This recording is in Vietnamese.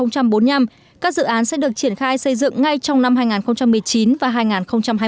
các dự án sẽ được triển khai xây dựng ngay trong năm hai nghìn một mươi chín và hai nghìn hai mươi